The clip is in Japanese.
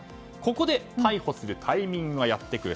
ここで逮捕するタイミングがやってくる。